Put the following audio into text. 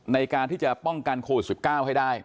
ในการที่จะป้องกันโคลดสี่สิบเก้าให้ได้